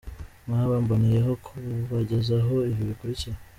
Nkaba mboneyeho kubagezaho ibi bikurikira :